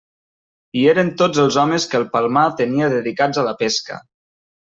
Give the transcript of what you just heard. Hi eren tots els homes que el Palmar tenia dedicats a la pesca.